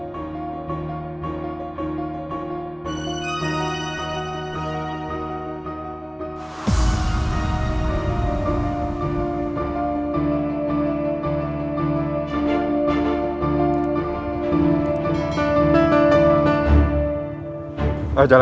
nanti aku ntar